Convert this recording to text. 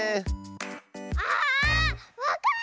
ああっわかった！